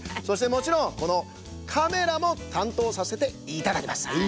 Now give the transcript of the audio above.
そしてもちろんこのカメラもたんとうさせていただきます。